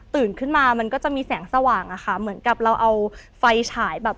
ขึ้นมามันก็จะมีแสงสว่างอะค่ะเหมือนกับเราเอาไฟฉายแบบ